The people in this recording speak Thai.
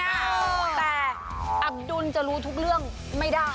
แต่อับดุลจะรู้ทุกเรื่องไม่ได้